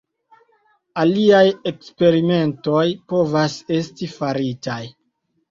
Aliaj eksperimentoj povas esti faritaj.